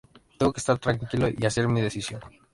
Tengo que estar tranquilo y hacer mi decisión.